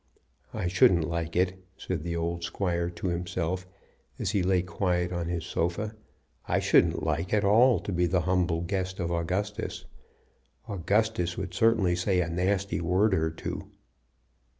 "I shouldn't like it," said the old squire to himself as he lay quiet on his sofa. "I shouldn't like at all to be the humble guest of Augustus. Augustus would certainly say a nasty word or two."